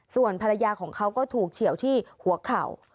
ส่วนภรรยาของเขาก็ถูกเฉียวที่หัวเข่า